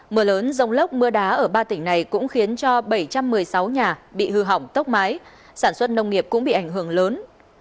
mưa lớn rông lốc mưa đá ở ba tỉnh này cũng khiến cho bảy trăm một mươi sáu nhà bị hư hỏng tốc mái sản xuất nông nghiệp cũng bị ảnh hưởng lớn